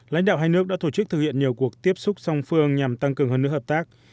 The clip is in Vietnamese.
lãnh đạo hai nước đã thổ chức thực hiện nhiều cuộc tiếp xúc song phương nhằm tăng cường hơn nữa hợp tác